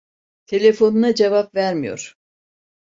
Telefonuna cevap vermiyor.